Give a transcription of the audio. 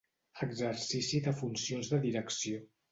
Exercici de funcions de direcció.